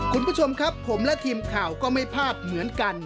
คุณผู้ชมครับผมและทีมข่าวก็ไม่พลาดเหมือนกัน